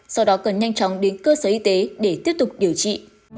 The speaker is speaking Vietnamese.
sau đó cần nhanh chóng đến cơ sở y tế để tiếp tục điều trị